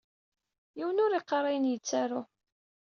Yiwen ur iqqaṛ ayen i yettaru